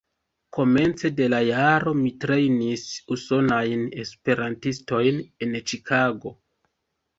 Komence de la jaro mi trejnis Usonajn Esperantistojn en Ĉikago.